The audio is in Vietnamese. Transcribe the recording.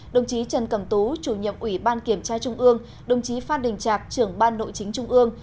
đồng chí trần cẩm tú chủ nhiệm ủy ban kiểm tra trung ương đồng chí phan đình trạc trưởng ban nội chính trung ương